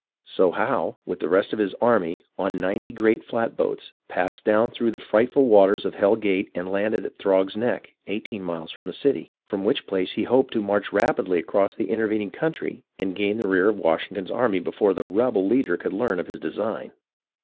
So Howe, with the rest of his army, on ninety great flatboats, passed down through the frightful waters of Hell Gate and landed at Throg's Neck, eighteen miles from the city, from which place he hoped to march rapidly across the intervening country and gain the rear of Washington's army before the "rebel" leader could learn of his design.